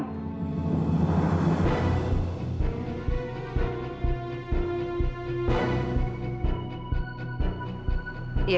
siapa yang ditahan